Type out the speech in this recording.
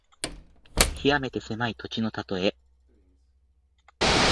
きわめて狭い土地のたとえ。